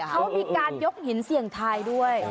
เขามีการยกหินเสี่ยงทายด้วย